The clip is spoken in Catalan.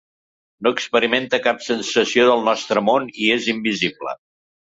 No experimenta cap sensació del nostre món i és invisible.